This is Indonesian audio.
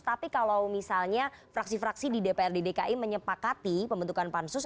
tapi kalau misalnya fraksi fraksi di dprd dki menyepakati pembentukan pansus